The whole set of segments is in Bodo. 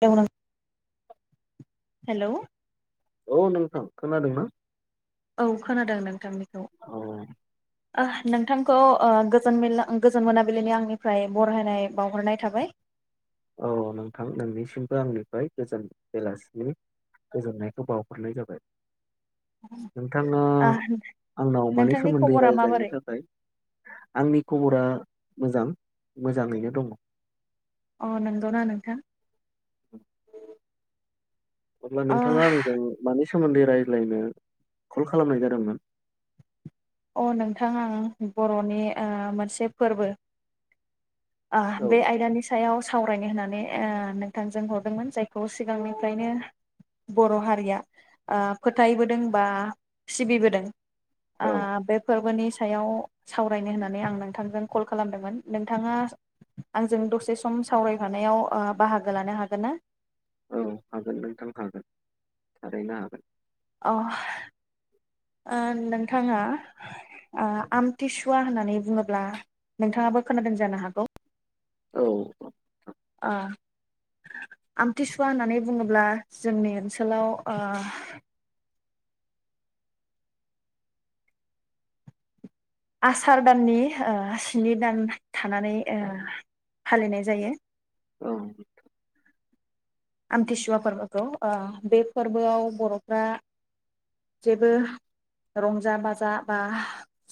[unintelligible] हेलौ औ नोंथां खोनादोंना? औ खोनादों नोंथांनिखौ औ ओ नोंथां खौ ओ गोजोन मेल्ला ओ गोजोन मोनाबिलिनि आंनिफ्राय बरहायनाय बावहरनाय थाबाय। औ नोंथां नोंनिसिमबो आंनिफ्राय गोजोन बेलासिनि गोजोननायखौ बावहरनाय जाबाय। नोंथाङा ओ आंनाव मानि नोंथांनि सोमोन्दै खबरा माबोरै रायज्लायनो थाखाय आंनि खबरा मोजां मोजाङैनो दङ। अ नोंगौना नोंथां ओम अब्ला नोंथाङा आंजों मानि स सोमोन्दै रायलायनो कल खालामनाय जादोंमोन अ नोंथां आं बर'नि ओ मोनसे फोरबो ओ औ बे आयदानि स सायाव सावरायनो होननानै ओ नोंथांजों हरदोंमोन जायखौ सिगांनिफ्रायनो बर' हारिया ओ फोथायबोदों बा सिबिबोदों। ओ औ फोरबोनि सायाव सावरायनो होन्नानै आं नोंथांजों कल खालामदोंमोन नोंथाङा आंजों दसे सम सावरायफानायाव ओ बाहागो लानो हागोन ना औ हागोन नोंथां हागोन थारैनो हागोन अह ओ नोंथाङा ओ आमथिसुवा होननानै बुङोब्ला नोंथाङाबो खोनादों जानो हागौ औ अ अ आ आमथिसुवा होननानै बुङोब्ला जोंनि ओनसोलाव ओ आसार दाननि ओ स्नि दान थानानै ओ फालिनाय जायो। औ आमथिसुवा फोरबोखौ ओ बे फोरबोआव बर'फ्रा जेबो रंजा बाजा बा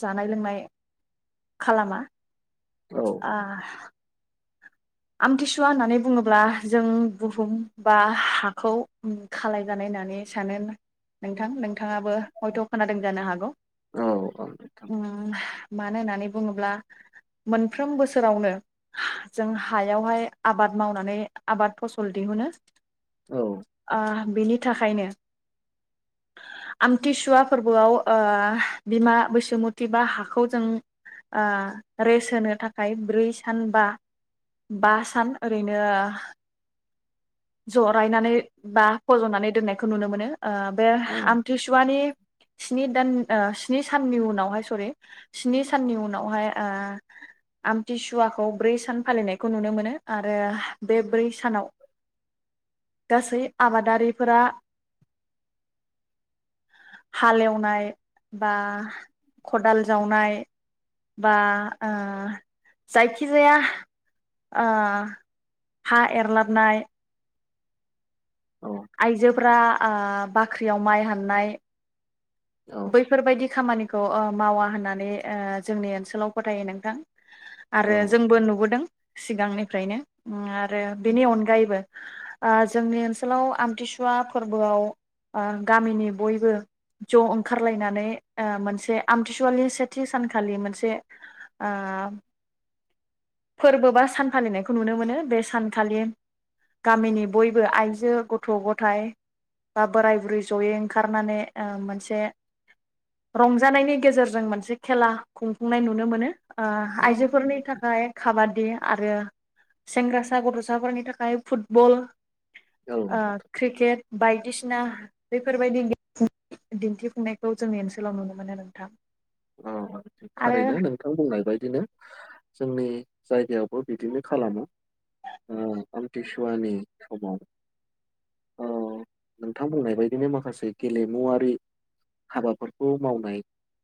जानाय लोंनाय खालामा। औ आ आमथिसुवा होननानै बुङोब्ला जों बुहुम बा हाखौ खालाय जानाय होननानै सानो नोंथां नोंथांङाबो हयथ खोनादों जानो हागौ औ औ नोंथां उम [unintelligible] मानो होननानै बुङोब्ला मोनफ्रोम बोसोरावनो जों हायावहाय आबाद मावनानै आबाद फसल दिहुनो औ ओ बिनि थाखायनो आमथिसुवा फोरबोआव ओ बिमा बैसोमुथि बा हाखौ जों ओ रेस्ट होनो थाखाय ब्रै सान बा बा सान ओरैनो जरायनानै बा फजनानै दोननायखौ नुनो मोनो ओ बे औ आमथिसुवानि स्नि दान ओ स्नि साननि उनावहाय सरि स्नि साननि उनावहाय ओ आमथिसुवाखौ ब्रै सान फालिनायखौ नुनो मोनो आरो बे ब्रै सानाव गासै आबादारिफोरा हालएवनाय बा खदाल जावनाय बा ओ जायखिजाया ओ हा एरलाबनाय औ आइजोफोरा ओ बाख्रियाव माइ हाननाय औ बैफोरबायदि खामानिखौ ओ मावा होननानै ओ जोंनि ओनसोलाव फोथायो नोंथां आरो जोंबो नुबोदों सिगांनिफ्रायनो आरो बेनि अनगायैबो ओ जोंनि ओनसोलाव आमथिसुवा फोरबोआव ओ गामिनि बयबो ज ओंखारलायनानै मोनसे आमथिसुवलि सेथि सानखालि मोनसे ओ फोरबो बा सान फालिनायखौ नुनो मोनो बे सानखालि गामिनि बयबो आइजो गथ गथाय बा बोराय बुरै जयै ओंखारनानै ओ मोनसे रंजानायनि गेजेरजों मोनसे खेला खुंफुंनाय नुनो मोनो ओ औ आइजोफोरनि थाखाय खाबादि आरो सेंग्रासा गथसाफोरनि थाखाय फुटबल औ ओ क्रिकेट बायदिसिना बेफोरबायदि दिन्थिफुंनाय खौ जोंनि ओनसोलाव नुनो मोनो नोंथां। औ औ आरो थारैनो नोंथां बुंनाय बायदिनो जोंनि जायगायावबो बिदिनो खालामो ओ आमथिसुवानि समाव नोंथां बुंनाय बायदिनो माखासे गेलेमुवारि हाबाफोरखौ मावनाय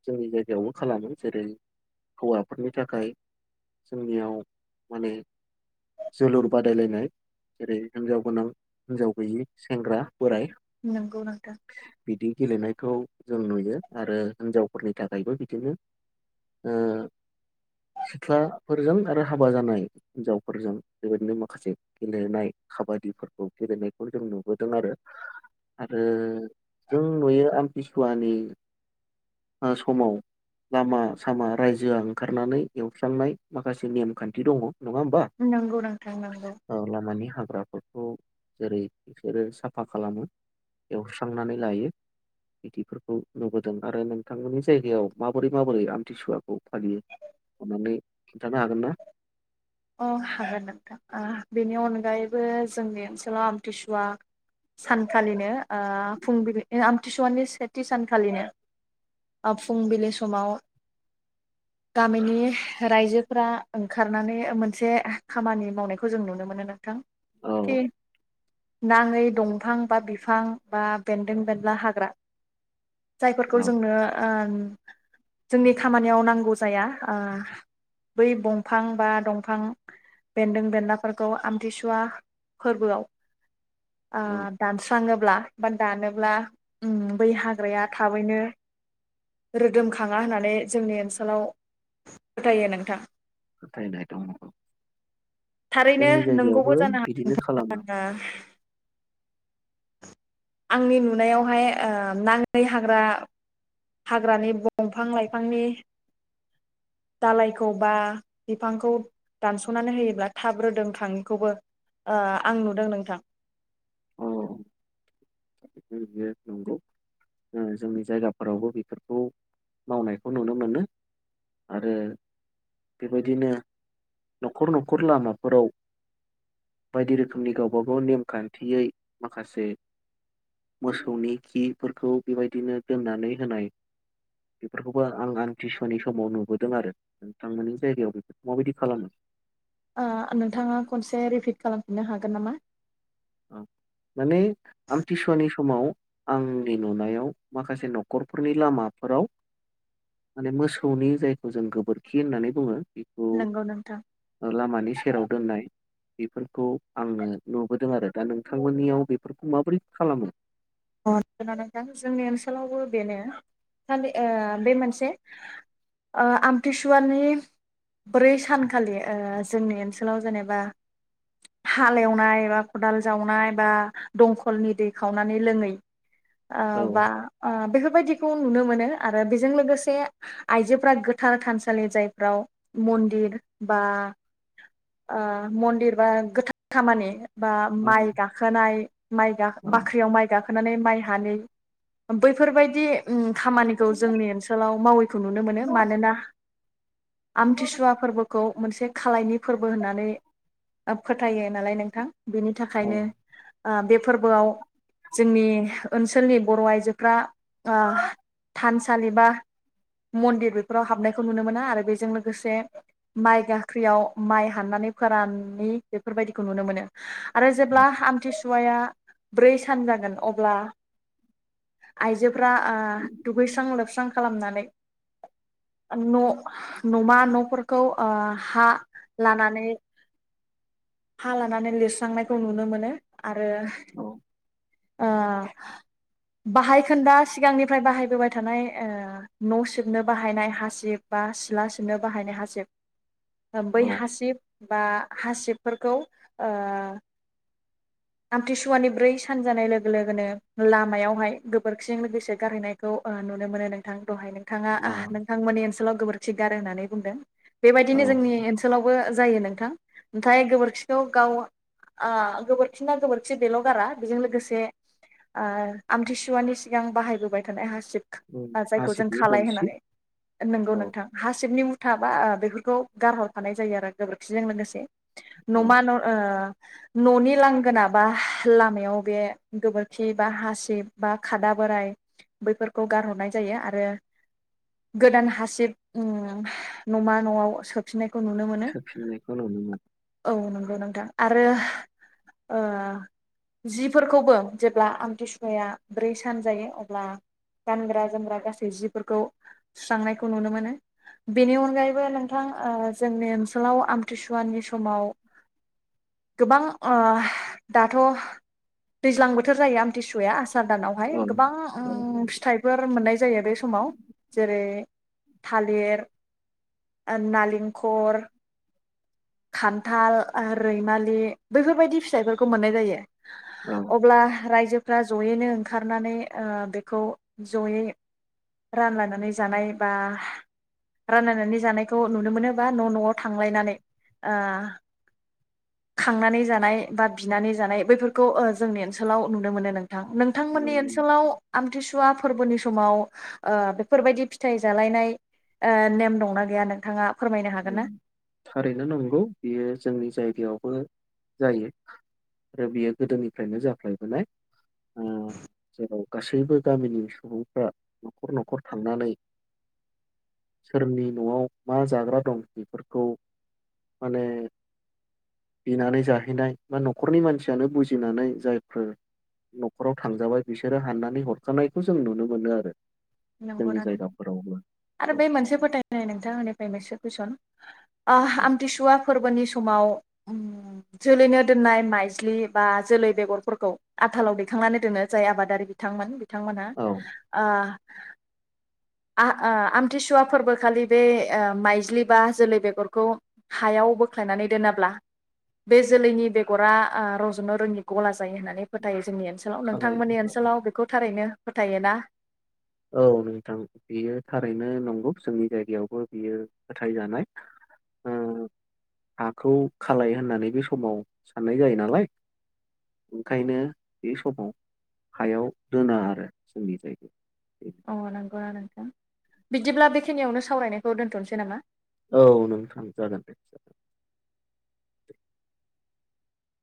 जोंनि जायगायावबो खालामो जेरै हौवाफोरनि थाखाय जोंनियाव माने जोलुर बादायलायनाय जेरै हिनजाव गोनां हिनजाव गैयि सेंग्रा बोराय नंगौ नोंथां। बिदि गेलेनायखौ जों नुयो आरो हिनजाव फोरनि थाखायबो बिदिनो ओ सिख्लाफोरजों आरो हाबा जानाय हिनजावफोरजों बेबायदिनो माखासे गेलेनाय खाबादिफोरखौ गेलेनायखौ जों नुबोदों आरो आरो जों नुयो आमतिसुवानि समाव लामा सामा रायजोआ ओंखारनानै एवस्रांनाय माखासे नेमखान्थि दंङ। नंगौ नोंथां नंगौ लामानि हाग्राफोरखौ जेरै बिसोरो साफा खालामो एवस्रांनानै लायो बिदिफोरखौ नुबोदों आरो नों नोंथां मोननि जायगायाव माबोरै माबोरै आमथिसुवाखौ फालियो अनानै खिन्थानो हागोन ना? अ हागोन नोंथां ओ बेनि अनगायैबो जोंनि ओनसोलाव आमथिसुवा सानखालिनो। ओ फुंबिलि [unintelligible] आथिसुवानि सेथि सानखालिनो फुंबिलि समाव गामिनि रायजोफोरा ओंखारनानै मोनसे खामानि मावनायखौ जों नुनो मोनो नोंथां। औ के नांङै दंफां बा बिफां बा बेन्दों बेनला हाग्रा जायफोरखौ औ जोंनो ओ जोंनि खामानियाव नांगौ जाया ओ बै दंफां बा दंफां बिफां बेन्दों बेनलाफोरखौ आमथिसुवा फोरबोआव आ औ दानस्रां थांङोब्ला बा दानोब्ला उम बै हाग्राया थाबैनो रोदोमखांङा होननानै जोंनि ओनसोलाव फोथायो नोंथां। फोथायनाय दं। थारैनो जायगायावबो नोंगौबो जानो बिदिनो खालामो [unintelligible] आंनि नुनायावहाय ओ नांङै हाग्रा हाग्रानि बंफां लाइफांनि दालायखौ बा बिफांखौ दानस'नानै होयोब्ला थाब रोदोम खांङैखौबो ओ आं नुदों नोंथां। अ बियो नंगौ ओ जोंनि जायगाफोरावबो बेफोरखौ मावनायखौ नुनो मोनो आरो बे बायदिनो न'खर न'खर लामाफोराव बायदि रोखोमनि गावबा गाव नेमखान्थियै माखासे मोसौनि खिफोरखौ बे बायदिनो दोननानै होनाय बेफोरखौबो आं आमथिसुवानि समाव नुबोदों। आरो नोंथांमोननि जायगायाव बेफोरखौ मा बायदि खालामो? ओ नोंथांङा खनसे रिपिट खालामफिननो हागोन नामा? ओ माने आमथिसुवानि समाव आंनि नुनायाव माखासे न'खरफोरनि लामाफोराव माने मोसौनि जायखौ जों गोबोरखि होननानै बुङो। बेखौ नोंगौ नोंथां। लामानि सेराव दोननाय बेफोरखौ आंनो नुबोदों आरो। दा नोंथांमोननियाव बेफोरखौ माबोरै खालामो? ओ नंगौ नोंथां जोंनि ओनसोलावबो बेनो सालि ओ बे मोनसे ओ आमथिसुवानि ब्रै सानखालि ओ जोंनि ओनसोलाव जेनेबा हालेवनाय बा खदाल जावनाय बा दंखलनि दै खावनानै लोङै औ ओ बा ओ बेफोर बायदिखौ नुनो मोनो आरो बेजों लोगोसे आइजोफोरा गोथार थानसालि जायफ्राव मन्दिर बा ओ मन्दिर बा गोथार खामानि बा औ माइ गाखोनाय माइ बाख्रियाव माइ गाखोन माइ हानोय बैफोर बायदि उम खामानिखौ जोंनि ओनसोलाव मावैखौ नुनो मोनो मानोना आमथिसुवा फोरबोखौ मोनसे खालायनि फोरबो होननानै फोथायो नालाय नोंथां। बेनि औ थाखायनो ओ बे फोरबोआव जोंनि ओनसोलनि बर' आइजोफ्रा ओ थानसालि बा मन्दिर बेफोराव हाबनायखौ नुनो मोना आरो बेजों लोगोसे माइ गाख्रियाव माइ हाननानै फोराननि बेफोर बायदिखौ नुनो मोनो आरो जेब्ला आमथिसुवाया ब्रै जागोन अब्ला आइजो फ्रा ओ दुगैस्रां लोबस्रां खालामनानै न' न'मा न'फोरखौ ओ हा लानानै हा लानानै लिरस्रांनायखौ नुनो मोनो आरो औ ओ बाहायखोन्दा सिगांनिफ्राय बाहायबोबाय थानाय ओ न' सिबनो बाहायनाय हासिब बा सिला सिबनो बाहायनाय हासिब बै औ हासिब बा हासिबफोरखौ ओ आमथिसुवानि ब्रै सानजानाय लोगो लोगोनो लामायावहाय गोबोरखिजों लोगोसे गारहैनायखौ ओ नुनो मोनो नोंथां दहाय नोंथाङा ओ औ नोंथांमोननि ओनसोलाव गोबोर थिगार होननानै बुंदों बेबायदिनो औ जोंनि ओनसोलावबो जायो नोंथां ओमथाय गोबोरखिखौ गाव ओ गोबोरखिना गोबोरखि दबेल'गारा बेजों लोगोसे आमथिसुवानि सिगां बाहायबोबाय थानाय हास उम हाब जायखौ जों हासिबनि खालाय गनसि होननानै नोंगौ औ नोंथां हासिबनि थाबा बेफोरखौ गारहरखानाय जायो आरो गोबोरखिजों लोगोसे औ न'मा न ओ न'नि लांगोना बा लामाया आव‌ बे गोबोरखि बा हासिब बा खादा बोराय बैफोरखौ गारहरनाय जायो आरो गोदान हासिब नमा न'आव सोफिननाय खौ नुनो मोनो सोफिननायखौ नुनो मोनो औ। नोंथां आरो ओ जिफोरखौबो जेब्ला आमथिसुवाया ब्रै सान जायो अब्ला गानग्रा जोमग्रा गासै जिफोरखौ सुस्रांनायखौ नुनो मोनो बेनि अनगायैबो नोंथां जोंनि ओनसोलाव आमथिसुवानि समाव गोबां ओ दाथ' दैज्लां बोथोर जायो आमथिसुवआ आस सादानावहाय औ गोबां औ फिथाइफोर मोननाय जायो बे समाव जेरै थालिर नालेंखर खान्थाल रैमालि बैफोरबायदि फिथाइफोरखौ मोननाय जायो। नंगौ अब्ला रायजो फ्रा जयैनो ओंखारनानै ओ बेखौ जयै रानलायनानै जानाय बा रानलायनानै जानायखौ नुनो मोनोबा न' न'आव थांलायनानै ओ खांनानै जानाय बा बिनानै जानाय बैफोर खौ जोंनि ओनसोलाव नुनो मोनो नों नोंथांमोननि नंगौ। ओनसोलाव आमथिसु फसुवा फोरबोनि समाव ओ बेफोरबायदि फिथाइ जालायनाय ओ नेम दंना गैया नोंथांङा थारैनो नंगौ बियो जोंनि जायगायावबो जायो आरो बियो गोदोनिफ्रायनो जाफ्लायबाय गासैबो गामिनि सुबुंफ्रा न'खर न'खर थांनानै सोरनि न'आव मा जाग्रा दं बेफोरखौ माने बिनानै जाहैनाय बा न'खरनि मानसियानो बुजिनानै जायफोर न'खराव थांजाबाय बिसोरो हाननानै हरखानायखौ जों नुनो मोनो आरो। जोंनि नंगौना नोंथां जायगाफोरावबो आरो औ बे मोनसे फोथायनाय नोंथांनिफ्राय मोनसे कुइसन। ओ औ आमथिसुवा फोरबोनि समाव उम जोलैनो दोननाय माइज्लि बा जोलै बेगरफोरखौ आथालाव दैखांनानै दोनो जाय आबादारि बिथांमोन बिथांमोनहा औ ओ आ ओ आमथिसुवा फोरबोखालि बे ओ माइज्लि बा जोलै बेगरखौ हायाव बोख्लायनानै दोनाब्ला बे जोलैनि बेगरा ओ रज'नो रोंङि गला ज जायो होननानै फोथायो जोंनि ओनसोलाव खालाय नोंथांमोननि औ ओनसोलाव बेखौ थारैनो फोथायोना? औ नोंथां बेयो थारैनो नंगौ जोंनि जायगायावबो बियो फोथायजानाय ओ हाखौ खालाय होननानै बे समाव साननाय जायो नालाय ओंखायनो बे समाव हायाव दोना आरो जोंनि जायगायाव। अ नंगौना नोंथां बिदिब्ला बेखिनियावनो सावरायनायखौ दोन्थ'नोसै नामा? औ नोंथां जागोन दे जागोन।